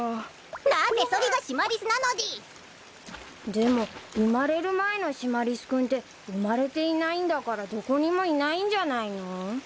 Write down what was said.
でも生まれる前のシマリス君って生まれていないんだからどこにもいないんじゃないの？